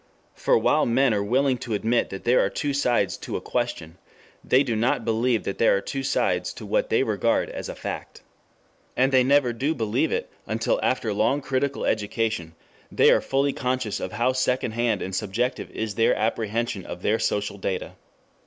For while men are willing to admit that there are two sides to a "question," they do not believe that there are two sides to what they regard as a "fact." And they never do believe it until after long critical education, they are fully conscious of how second hand and subjective is their apprehension of their social data.